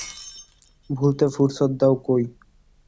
ভুলতে ফুরসৎ দাও কই।